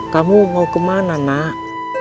kamu mau kemana nak